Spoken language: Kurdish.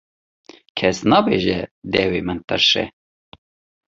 Kes nabêje dewê min tirş e.